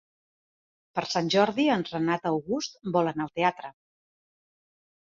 Per Sant Jordi en Renat August vol anar al teatre.